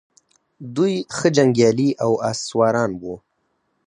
دوی ښه جنګیالي او آس سواران وو